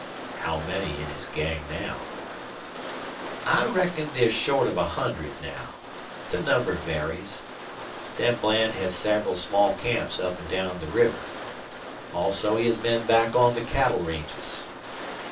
"How many in his gang now?" "I reckon there's short of a hundred now. The number varies. Then Bland has several small camps up an' down the river. Also he has men back on the cattle ranges."